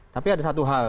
tapi ada satu hal